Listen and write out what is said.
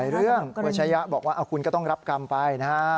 เรื่องคุณชายะบอกว่าคุณก็ต้องรับกรรมไปนะฮะ